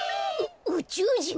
ううちゅうじん？